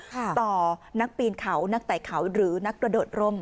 ต่อนักปีนเขานักไต่เขาหรือนักกระโดดร่ม